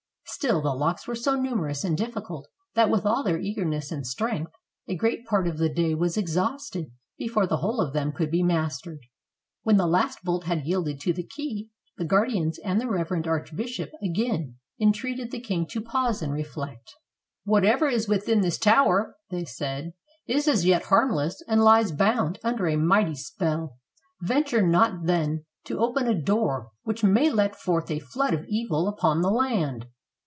Still the locks were so nu merous and di£&cult that with all their eagerness and strength a great part of the day was exhausted before the whole of them could be mastered. When the last bolt had yielded to the key, the guardians and the reverend archbishop again entreated the king to pause and reflect. "Whatever is within this tower," said they, *'is as yet harmless and lies bound under a mighty spell; venture not then to open k door which may let forth a flood of evil upon the land."